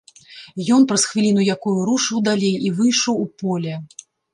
Ён праз хвіліну якую рушыў далей і выйшаў у поле.